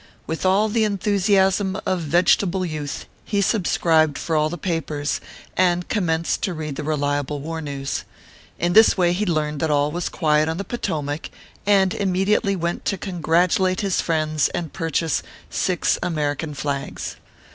With all the enthusiasm of vegetable youth he subscribed for all the papers, and commenced to read the reliable war news. In this way he learned that all was quiet on the Potomac, and immediately went to congratulate his friends, and purchase six American flags.